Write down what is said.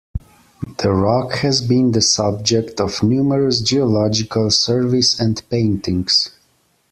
The rock has been the subject of numerous geological surveys and paintings.